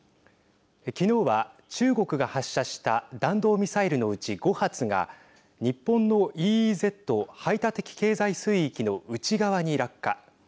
昨日は中国が発射した弾道ミサイルのうち５発が日本のＥＥＺ＝排他的経済水域の内側に落下。